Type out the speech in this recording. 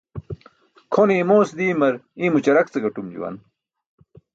Kʰone imoos diimar iymo ćarak ce gaṭum juwan.